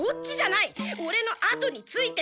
オレのあとについてくるんだ！